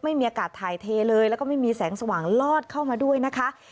ไม่มีอากาศถ่ายเทเลยแล้วก็ไม่มีแสงสว่างลอดเข้ามาด้วยนะคะ